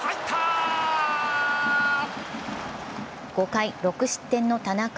５回、６失点の田中。